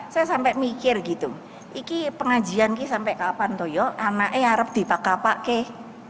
saya sampai mikir gitu ini pengajian sampai kapan tuh ya anaknya harap dipakai pakai